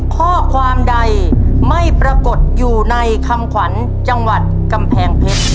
ข้อความใดไม่ปรากฏอยู่ในคำขวัญจังหวัดกำแพงเพชร